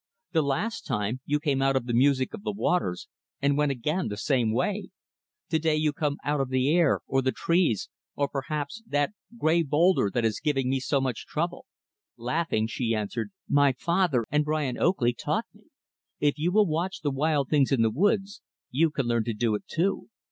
The last time, you came out of the music of the waters, and went again the same way. To day, you come out of the air, or the trees, or, perhaps, that gray boulder that is giving me such trouble." Laughing, she answered, "My father and Brian Oakley taught me. If you will watch the wild things in the woods, you can learn to do it too.